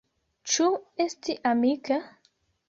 Ĉu esti amika?